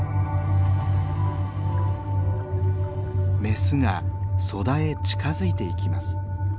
メスが粗朶へ近づいていきます。